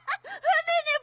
ねえねえ